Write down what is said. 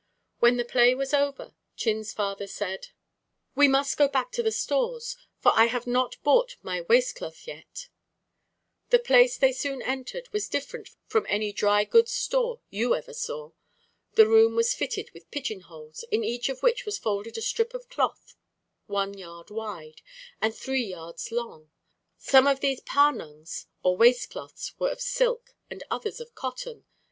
When the play was over, Chin's father said: "We must go back to the stores, for I have not bought my waist cloth yet." The place they soon entered was different from any dry goods store you ever saw. The room was fitted with pigeonholes, in each of which was folded a strip of cloth one yard wide, and three yards long. Some of these pa nungs, or waist cloths, were of silk, and others of cotton.